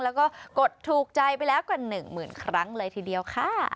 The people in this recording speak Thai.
แล้วก็กดถูกใจไปแล้วกว่า๑หมื่นครั้งเลยทีเดียวค่ะ